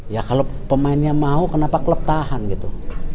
ya kalau pemainnya mau kenapa klub tahan gitu